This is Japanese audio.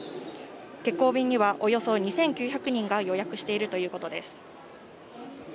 欠航便にはおよそ２９００人が予約しているということです。